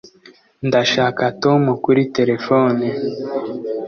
Ndashaka Tom kuri terefone